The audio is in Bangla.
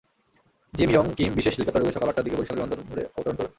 জিম ইয়ং কিম বিশেষ হেলিকপ্টারযোগে সকাল আটটার দিকে বরিশাল বিমানবন্দরে অবতরণ করবেন।